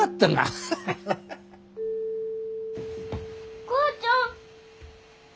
・お母ちゃん！